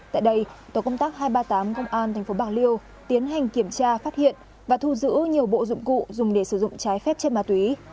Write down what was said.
tại đây tổ công tác hai trăm ba mươi tám công an tp bạc liêu tiến hành kiểm tra phát hiện và thu giữ nhiều bộ dụng cụ dùng để sử dụng trái phép chất ma túy